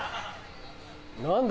何だ？